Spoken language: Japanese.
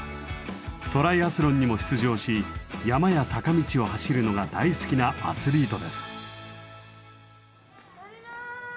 トライアスロンにも出場し山や坂道を走るのが大好きなアスリートです。